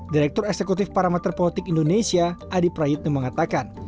direktur eksekutif paramater politik indonesia adi prayutno mengatakan